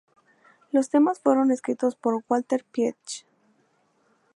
Los temas fueron escritos por Walter Pietsch.